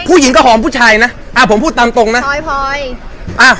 ผู้หญิงก็หอมผู้ชายนะอ่าผมพูดตามตรงนะพลอยพลอยอ่า